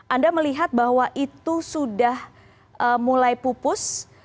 anda melihat bahwa itu sudah mulai pupus